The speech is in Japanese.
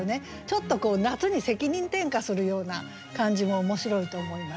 ちょっと夏に責任転嫁するような感じも面白いと思いますね。